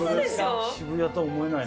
これが渋谷とは思えないね。